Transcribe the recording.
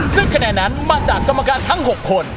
ซึ่งคะแนนนั้นมาจากกรรมการทั้ง๖คน